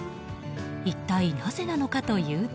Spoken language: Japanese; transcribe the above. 一体なぜなのかというと。